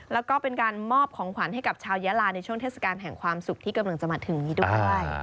แล้วก็เป็นการมอบของขวัญให้กับชาวยาลาในช่วงเทศกาลแห่งความสุขที่กำลังจะมาถึงนี้ด้วย